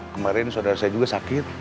kemarin saudara saya juga sakit